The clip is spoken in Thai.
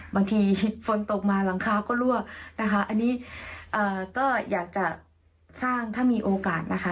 บางทีฝนตกมาหลังคาก็รั่วนะคะอันนี้ก็อยากจะสร้างถ้ามีโอกาสนะคะ